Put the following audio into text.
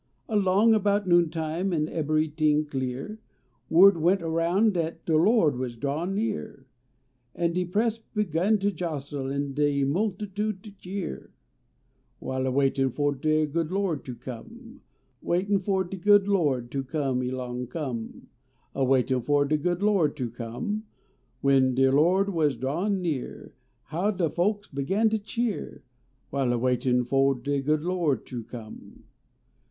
Along about noontime en ebbery ting clear, Word went around dat de Lo d was drawin near, En de press begun to jostle en de multitude to cheer While a waitin fo de Lo d ter come. Waitin fo de good Lo d to come elong come, A waitin fo de good Lo d ter come. When de Lo d was drawin near, How de folks begun to cheer. While a waitin fo de good Lo d ter come.